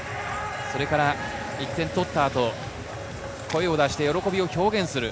それから１点とった後、声を出して喜びを表現する。